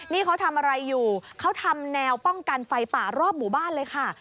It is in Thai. นี่เขาทำอะไรอยู่เขาทำแนวป้องกันไฟป่ารอบหมู่บ้านเลยค่ะ